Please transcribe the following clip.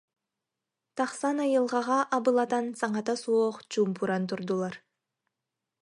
Тахсан айылҕаҕа абылатан саҥата суох чуумпуран турдулар